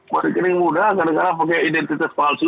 buat rekening mudah karena karena pakai identitas palsu